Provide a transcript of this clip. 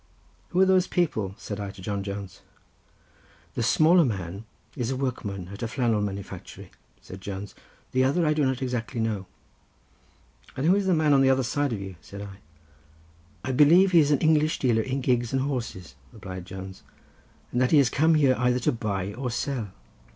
"Who are those people?" said I to John Jones. "The smaller man is a workman at a flannel manufactory," said Jones. "The other I do not exactly know." "And who is the man on the other side of you?" said I. "I believe he is an English dealer in gigs and horses," replied Jones, "and that he is come here either to buy or sell."